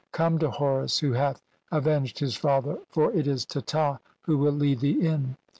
" 'Come to Horus, who hath avenged his father, for " 'it is Teta. who will lead thee in.'